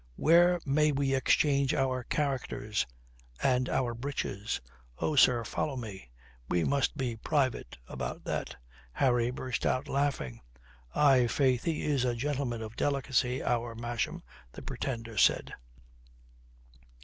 "Pray, where may we exchange our characters and our breeches?" "Oh, sir, follow me; we must be private about that." Harry burst out laughing. "Aye, faith, he is a gentleman of delicacy, our Masham," the Pretender said.